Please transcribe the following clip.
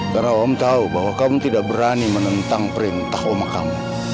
karena om tahu bahwa kamu tidak berani menentang perintah oma kamu